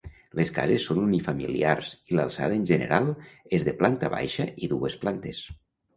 Les cases són unifamiliars i l'alçada en general és de planta baixa i dues plantes.